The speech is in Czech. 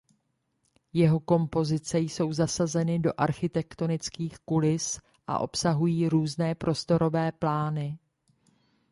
Jeho kompozice jsou zasazeny do architektonických kulis a obsahují různé prostorové plány.